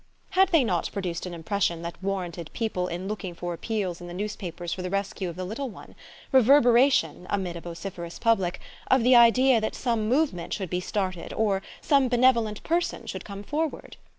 Had they not produced an impression that warranted people in looking for appeals in the newspapers for the rescue of the little one reverberation, amid a vociferous public, of the idea that some movement should be started or some benevolent person should come forward?